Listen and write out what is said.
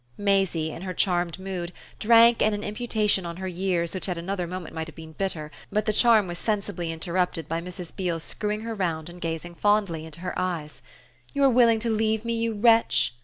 Maisie, in her charmed mood, drank in an imputation on her years which at another moment might have been bitter; but the charm was sensibly interrupted by Mrs. Beale's screwing her round and gazing fondly into her eyes, "You're willing to leave me, you wretch?"